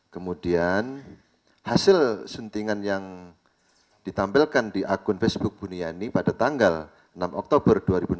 kemudian hasil sentingan yang ditampilkan di akun facebook buniani pada tanggal enam oktober dua ribu enam belas